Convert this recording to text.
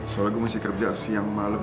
soalnya gue mesti kerja siang malem